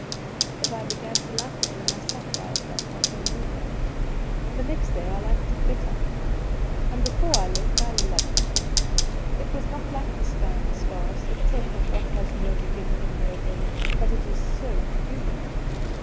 "But I began to like it when I sat by it that night in the moonlight; and the next day I liked it better; and before I left I loved it. It was not like the sky and stars, that talk of what has no beginning and no end; but it is so human.